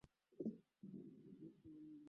Wakristo wengi ni wakakamavu